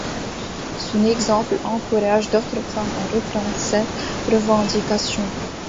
Son exemple encourage d'autres femmes à reprendre cette revendication.